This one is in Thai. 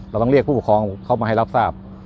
เราต้องเรียกผู้ปกครองเข้ามาให้รับทราบ